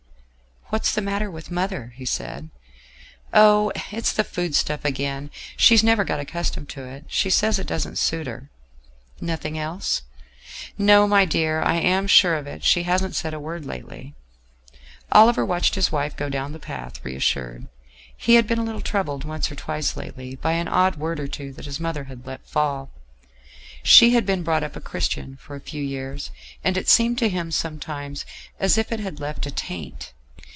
"What's the matter with mother?" he said. "Oh! it's the food stuff again: she's never got accustomed to it; she says it doesn't suit her." "Nothing else?" "No, my dear, I am sure of it. She hasn't said a word lately." Oliver watched his wife go down the path, reassured. He had been a little troubled once or twice lately by an odd word or two that his mother had let fall. She had been brought up a Christian for a few years, and it seemed to him sometimes as if it had left a taint.